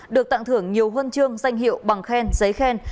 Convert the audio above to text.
được tặng thưởng nhiều hơn trương danh hiệu bằng khen giấy khen